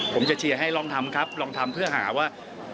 ผมจะเชียร์ให้ลองทำครับลองทำเพื่อหาว่า